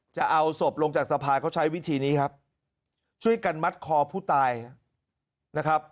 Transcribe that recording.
จะเอาศพลงจากสะพานเขาใช้วิธีนี้ครับช่วยกันมัดคอผู้ตายนะครับ